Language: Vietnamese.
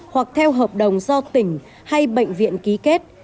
hoặc theo hợp đồng do tỉnh hay bệnh viện ký kết